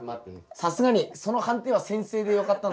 さすがにその判定は先生でよかったの。